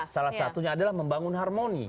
salah satunya adalah membangun harmoni